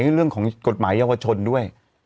เรื่องของกฎหมายเยาวชนด้วย